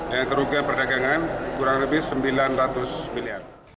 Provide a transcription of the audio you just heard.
yang kerugian perdagangan kurang lebih sembilan ratus miliar